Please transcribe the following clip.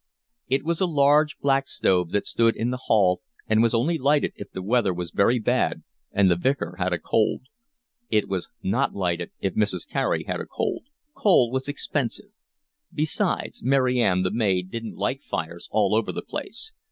It was a large black stove that stood in the hall and was only lighted if the weather was very bad and the Vicar had a cold. It was not lighted if Mrs. Carey had a cold. Coal was expensive. Besides, Mary Ann, the maid, didn't like fires all over the place.